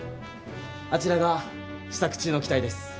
あちらが試作中の機体です。